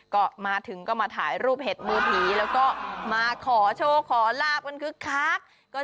ก็ถึงมาถ่ายรูปเห็ดมูพีแล้วก็ขอโชคขอราบก็คลิกคาระ